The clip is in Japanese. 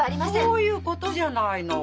そういうことじゃないの。